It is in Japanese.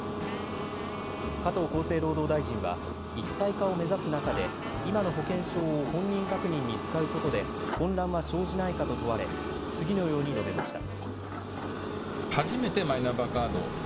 加藤厚生労働大臣は一体化を目指す中で今の保険証を本人確認に使うことで、混乱は生じないかと問われ次のように述べました。